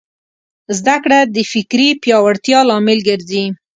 زدهکړه د فکري پیاوړتیا لامل ګرځي.